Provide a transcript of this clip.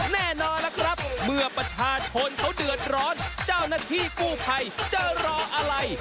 แน่นอนล่ะครับเมื่อประชาชนเขาเดือดร้อนเจ้าหน้าที่กู้ภัยจะรออะไร